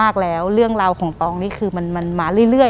หลังจากนั้นเราไม่ได้คุยกันนะคะเดินเข้าบ้านอืม